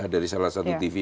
dari salah satu tv